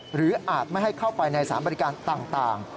อาจไม่ให้เข้าไปในสารบริการต่าง